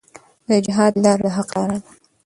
د جهاد لاره د حق لاره ده.